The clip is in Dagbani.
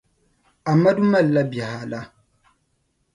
Amadu mali la bihi ala?